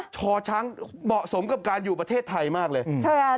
ชอช้างเหมาะสมกับการอยู่ประเทศไทยมากเลย